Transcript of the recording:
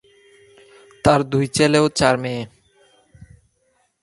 তার দুই ছেলে ও চার মেয়ে।